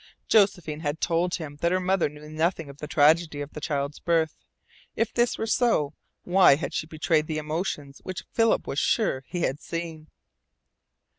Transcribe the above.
Josephine had told him that her mother knew nothing of the tragedy of the child's birth. If this were so, why had she betrayed the emotions which Philip was sure he had seen?